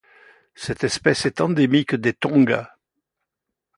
Cette espèce est endémique des Tonga.